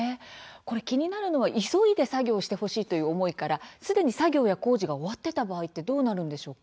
気になるのは急いで作業をしてほしいという思いから、すでに作業や工事が終わっていた場合はどうなるんですか。